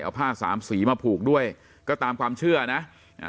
เอาผ้าสามสีมาผูกด้วยก็ตามความเชื่อนะอ่า